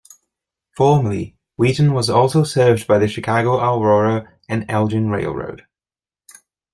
Formerly, Wheaton was also served by the Chicago Aurora and Elgin Railroad.